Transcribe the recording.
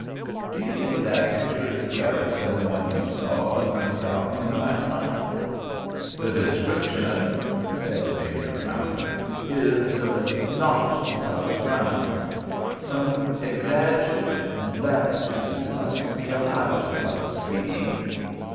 "Do you think that picture is fairer than the one you saw of Colonel Calhoun last night?" "The description," said the Major, frowning, "is—not without grounds. Some exag—latitude must be allowed in public speaking."